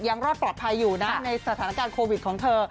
รอดปลอดภัยอยู่นะในสถานการณ์โควิดของเธอ